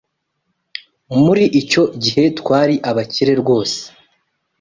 Muri icyo gihe, twari abakire rwose.